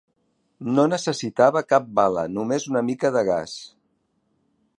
No necessitava cap bala, només una mica de gas.